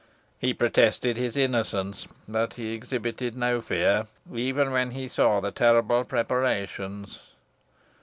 He protested his innocence, but he exhibited no fear, even when he saw the terrible preparations.